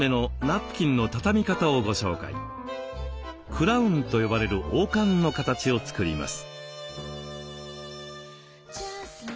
「クラウン」と呼ばれる王冠の形を作ります。